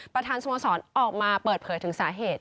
ประธานสมสรรค์ออกมาเปิดเผยถึงสาเหตุ